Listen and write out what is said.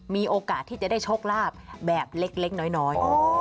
มีโอกาสที่จะได้โชคลาภแบบเล็กน้อย